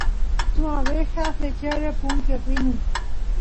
suk abeja flechyara punkiy apini